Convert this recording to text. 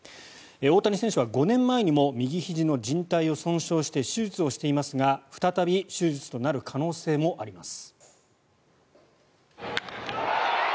大谷選手は５年前にも右ひじのじん帯を損傷して手術をしていますが再び手術となる可能性もあります。